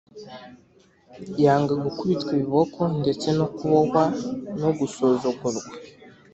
Yanga gukubitwa ibiboko ndetse no kubohwa no gusuzugurwa